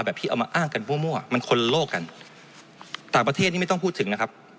ที่เอามาอ้างกันมั่วมันคนโลกกันต่างประเทศนี่ไม่ต้องพูดถึงนะครับ